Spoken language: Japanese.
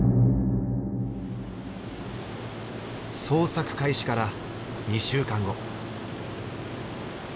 捜索開始から２週間後。